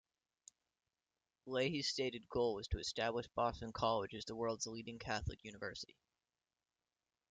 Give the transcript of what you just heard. Leahy's stated goal was to establish Boston College as the world's leading Catholic university.